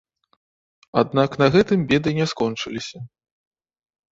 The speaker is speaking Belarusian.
Аднак на гэтым беды не скончыліся.